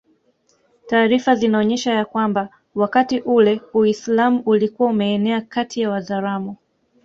Taarifa zinaonyesha ya kwamba wakati ule Uislamu ulikuwa umeenea kati ya Wazaramo